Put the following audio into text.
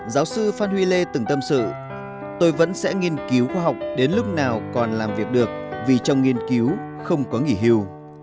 giáo sư phan huy lê từng tâm sự tôi vẫn sẽ nghiên cứu khoa học đến lúc nào còn làm việc được vì trong nghiên cứu không có nghỉ hưu